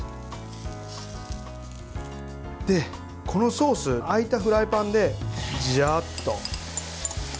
で、このソース空いたフライパンでジャーッと。